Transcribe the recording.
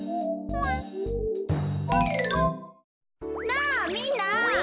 なあみんな！